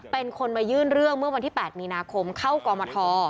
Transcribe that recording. เป็นคนมายื่นเรื่องเมื่อวันที่๘มีนาคมเข้ากรมท